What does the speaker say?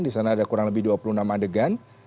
di sana ada kurang lebih dua puluh enam adegan